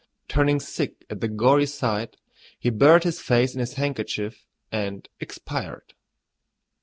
Turning sick at the gory sight, he buried his face in his handkerchief and expired.